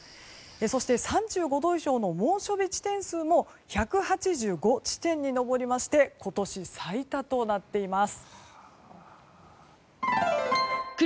そして３５度以上の猛暑日地点数も１８５地点に上りまして今年最多となっています。